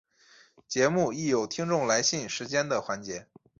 节目亦有听众来信时间的环节。